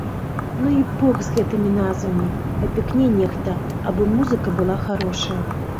Ну і бог з гэтымі назвамі, папікне нехта, абы музыка была харошая.